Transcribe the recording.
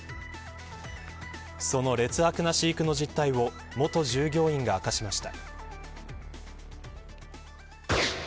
その劣悪な飼育の実態を元従業員が明かしました。